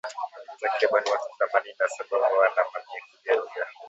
Takribani watu thamanini na saba wameuawa na mamia kujeruhiwa.